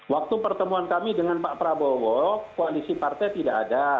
waktu pertemuan kami dengan pak prabowo koalisi partai tidak ada